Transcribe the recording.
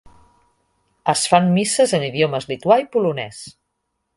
Es fan misses en idiomes lituà i polonès.